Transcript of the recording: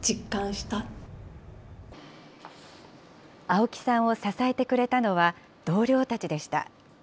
青木さんを支えてくれたのは、同僚たちでした。